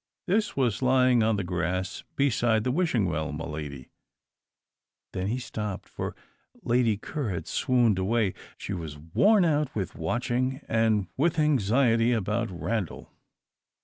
"This was lying on the grass beside the Wishing Well, my Lady " Then he stopped, for Lady Ker had swooned away. She was worn out with watching and with anxiety about Randal.